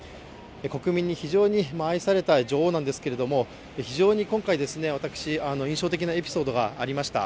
国民に非常に愛された女王なんですが非常に今回、私、印象的なエピソードがありました。